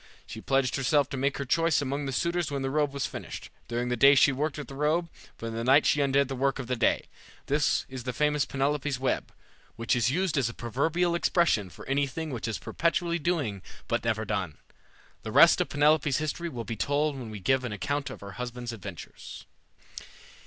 She pledged herself to make her choice among the suitors when the robe was finished. During the day she worked at the robe, but in the night she undid the work of the day. This is the famous Penelope's web, which is used as a proverbial expression for anything which is perpetually doing but never done. The rest of Penelope's history will be told when we give an account of her husband's adventures.